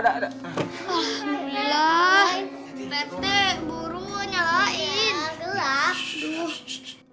hai ah iya bete burungnya ini gelap